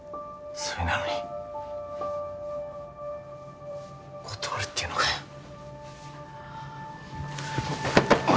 それなのに断るっていうのかよおい